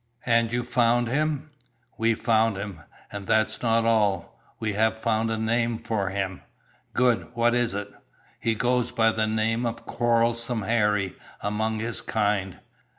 "And you found him?" "We found him. And that's not all. We have found a name for him." "Good! What is it?" "He goes by the name of 'Quarrelsome Harry' among his kind.